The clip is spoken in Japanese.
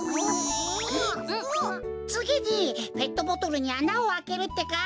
つぎにペットボトルにあなをあけるってか。